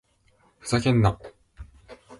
ふざけんな！